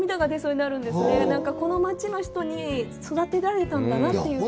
なんかこの町の人に育てられたんだなというか。